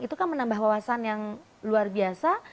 itu kan menambah wawasan yang luar biasa